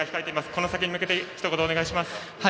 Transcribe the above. この先に向けてひと言お願いします。